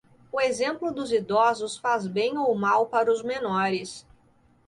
O exemplo dos idosos faz bem ou mal para os menores.